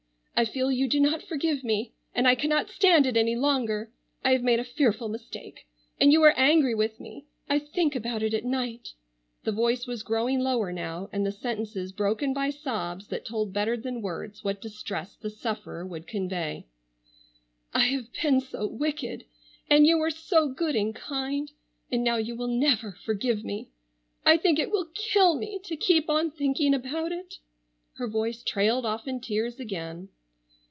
I feel you do not forgive me, and I cannot stand it any longer. I have made a fearful mistake, and you are angry with me—I think about it at night"—the voice was growing lower now, and the sentences broken by sobs that told better than words what distress the sufferer would convey. "I have been so wicked—and you were so good and kind—and now you will never forgive me—I think it will kill me to keep on thinking about it—" her voice trailed off in tears again.